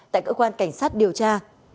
tại cơ quan cảnh sát điều tra